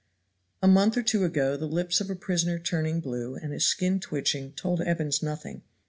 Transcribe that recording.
A month or two ago the lips of a prisoner turning blue and his skin twitching told Evans nothing.